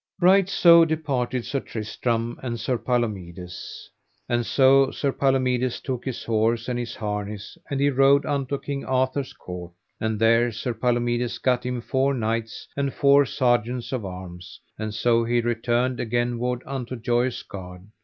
Right so departed Sir Tristram and Sir Palomides. And so Sir Palomides took his horse and his harness, and he rode unto King Arthur's court; and there Sir Palomides gat him four knights and four sergeants of arms, and so he returned againward unto Joyous Gard.